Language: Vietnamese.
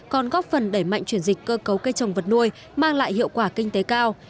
còn góp phần đẩy mạnh chuyển dịch cơ cấu cây trồng vật nuôi mang lại hiệu quả kinh tế cao